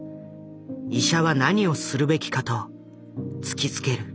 医者は何をするべきか？と突きつける。